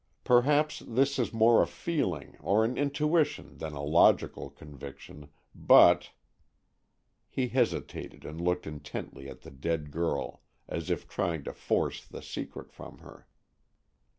Perhaps this is more a feeling or an intuition than a logical conviction, but——" He hesitated and looked intently at the dead girl, as if trying to force the secret from her.